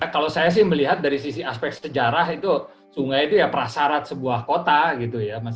kalau saya sih melihat dari sisi aspek sejarah itu sungai itu ya prasarat sebuah kota gitu ya